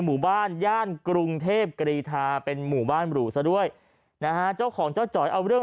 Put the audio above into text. หมู่บ้านย่านกรุงเทพกรีธาเป็นหมู่บ้านหรูซะด้วยนะฮะเจ้าของเจ้าจ๋อยเอาเรื่อง